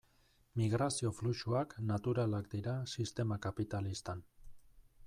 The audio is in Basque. Migrazio fluxuak naturalak dira sistema kapitalistan.